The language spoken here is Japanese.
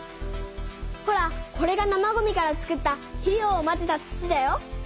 ほらこれが生ごみから作った肥料をまぜた土だよ。